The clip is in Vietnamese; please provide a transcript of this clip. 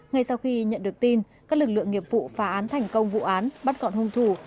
ngay sau khi nhận được tin các lực lượng nghiệp vụ phá án thành công vụ án bắt gọn hung thủ